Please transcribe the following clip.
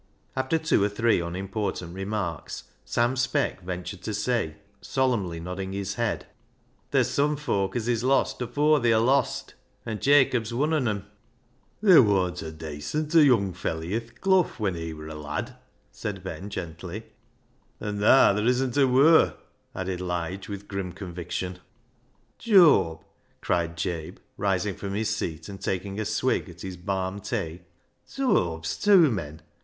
After two or three unimportant remarks, Sam Speck ventured to say, solemnly nodding his head — "Ther's sum foak as is lost afoor they arr lost. An' Jooab's wun on 'em," "Ther' worn't a dacenter young felley i' th' Clough when he wur a lad," said Ben gently " An' naa ther' isn't a ivur" added Lige with ijrim conviction. THE HAUNTED MAN 379 " Jooab," cried Jabe, rising from his seat and taking a " swig " at his " bahn tay," " Jooab's tew men.